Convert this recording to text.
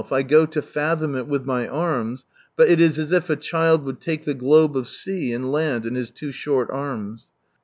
I go to fathom it with my arms, but it is as if a child would take the globe of sea and land in his two short arms."